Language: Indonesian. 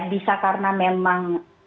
bisa karena memang